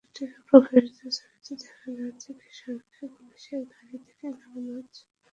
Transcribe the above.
পত্রিকায় প্রকাশিত ছবিতে দেখা যাচ্ছে কিশোরকে পুলিশের গাড়ি থেকে নামানো হচ্ছে।